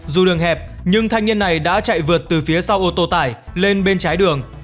dù đường hẹp nhưng thanh niên này đã chạy vượt từ phía sau ô tô tải lên bên trái đường